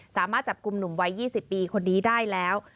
สามารถจับกลุ่มหนุ่มวัย๒๐ปีคนนี้ได้แล้ว